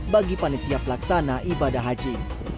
bagi panitia pelaksana ibadah haji